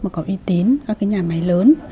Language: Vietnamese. mà có uy tín các cái nhà máy lớn